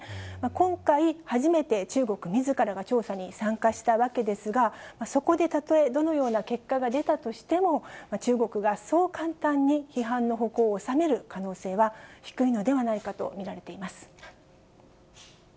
今回、初めて中国みずからが調査に参加したわけですが、そこでたとえどのような結果が出たとしても、中国がそう簡単に批判の矛を収める可能性は低いのではないかと見られています。